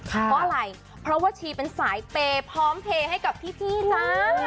เพราะอะไรเพราะว่าชีเป็นสายเปย์พร้อมเพลย์ให้กับพี่จ้า